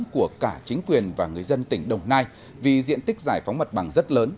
của cả chính quyền và người dân tỉnh đồng nai vì diện tích giải phóng mặt bằng rất lớn